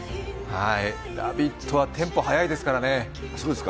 「ラヴィット！」はテンポ速いですからね。